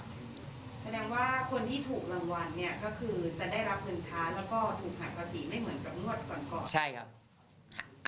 แสดงว่าคนที่ถูกรางวัลเนี่ยก็คือจะได้รับเงินช้า